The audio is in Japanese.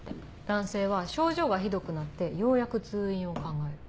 男性は症状がひどくなってようやく通院を考える。